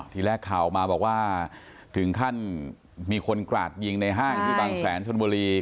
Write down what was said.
ทีแรกข่าวออกมาบอกว่าถึงขั้นมีคนกราดยิงในห้างที่บางแสนชนบุรี